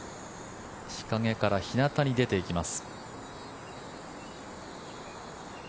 日陰から日なたに出ていきます。